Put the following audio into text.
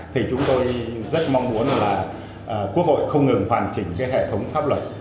thì chúng tôi rất mong muốn là quốc hội không ngừng hoàn chỉnh cái hệ thống pháp luật